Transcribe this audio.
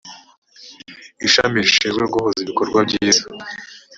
ishami rishinzwe guhuza ibikorwa byiza